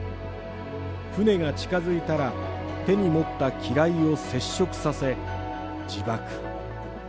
船が近づいたら、手に持った機雷を接触させ、自爆。